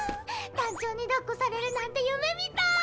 団長にだっこされるなんて夢みたい。